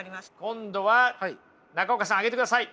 今度は中岡さん上げてください。